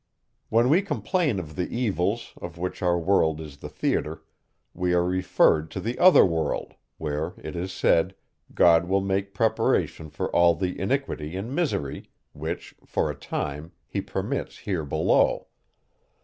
When we complain of the evils, of which our world is the theatre, we are referred to the other world, where it is said, God will make reparation for all the iniquity and misery, which, for a time, he permits here below.